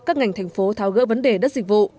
các ngành thành phố tháo gỡ vấn đề đất dịch vụ